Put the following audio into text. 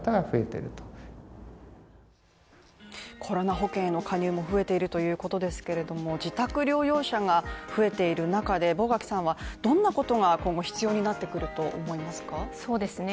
コロナ保険の加入も増えているということですけども自宅療養者が増えている中で、坊垣さんはどんなことが今後必要になってくると思いますか？